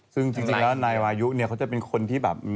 ซึ่งจริงแล้วนายวายุเนี่ยเขาจะเป็นคนที่แบบ